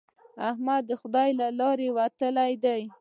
احمد د خدای له لارې وتلی دی.